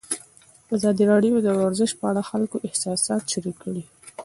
ازادي راډیو د ورزش په اړه د خلکو احساسات شریک کړي.